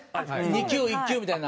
２級１級みたいな。